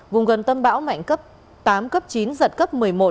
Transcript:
vùng gần tâm bão mạnh cấp tám cấp chín giật cấp một mươi một